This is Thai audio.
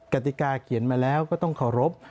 กติกาเขียนมาแล้วก็ต้องเคารพ